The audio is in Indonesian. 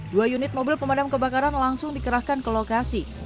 dua unit mobil pemadam kebakaran langsung dikerahkan ke lokasi